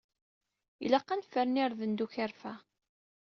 Ilaq ad nefren irden d ukerfa.